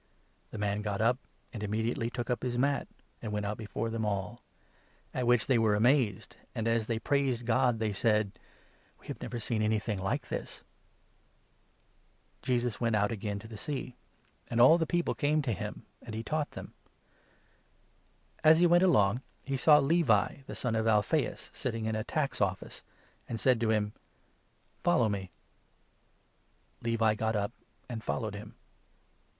The man got up, and immediately took up his mat, and went 12 out before them all ; at which they were amazed, and, as they praised God, they said :" We have never seen anything like this !" can of Jesus went out again to the Sea ; and 13 Levi. an the people came to him, and he taught them. As he went along, he saw Levi, the son of 14 Alphaeus, sitting in the tax office, and said to him :'' Follow me. " Levi got up and followed him.